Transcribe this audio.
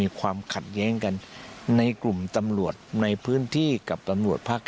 ถามว่าแป้งที่มันหลบหนีมาได้ก็จงตรงอย่างที่พระบอตราวท่านพูด